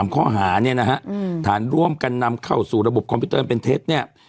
ข้อหาเนี่ยนะฮะฐานร่วมกันนำเข้าสู่ระบบคอมพิวเตอร์เป็นเท็จเนี่ย